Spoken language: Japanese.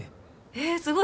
えすごい。